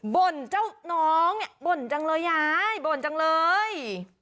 บ่นเจ้าน้องเนี่ยบ่นจังเลยยายบ่นจังเลย